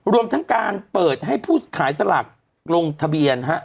รวมทั้งการเปิดให้ผู้ขายสลากลงทะเบียน